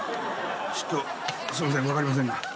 ちょっとすいません分かりませんが。